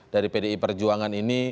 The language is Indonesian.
dari pdi perjuangan ini